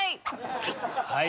はい！